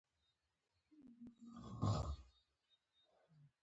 د هلمند مدني ټولنې لخوا بګړۍ ورکول شوه.